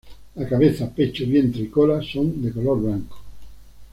La cabeza, pecho, vientre y cola son de color blanco.